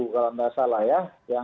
kalau tidak salah ya